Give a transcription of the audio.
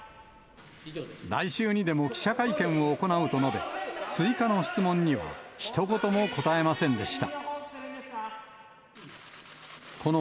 来週にも記者会見を行うと述べ、追加の質問にはひと言も答えませんでした。